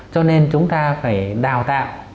cho nên chúng ta phải đào tạo